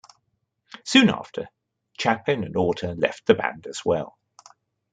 Soon after, Chapin and Orta left the band as well.